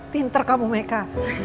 pinter kamu meka